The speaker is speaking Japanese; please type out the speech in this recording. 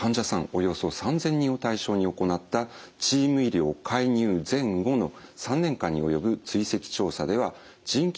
およそ３，０００人を対象に行ったチーム医療介入前後の３年間に及ぶ追跡調査では腎機能の低下